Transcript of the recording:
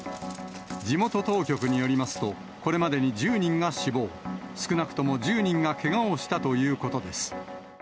地元当局によりますと、これまでに１０人が死亡、少なくとも１０人がけがをしたということです。